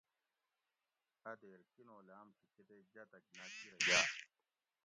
اۤ دیر کینو لام تھی کۤتیک جاۤتک ناۤچیرہ گاۤ